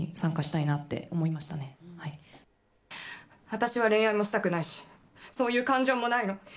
私は恋愛もしたくないしそういう感情もないの。